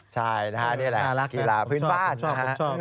ใช่นะคะนี่แหละกีฬาพื้นบ้าน